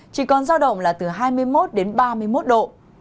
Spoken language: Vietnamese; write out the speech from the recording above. chỉ còn giao động là từ hai mươi một đến ba mươi một độ